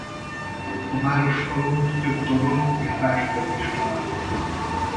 A városfalon több torony és bástya is található.